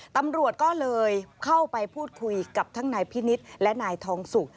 ตำรวจก็เลยเข้าไปพูดคุยกับทั้งนายพินิษฐ์และนายทองสุก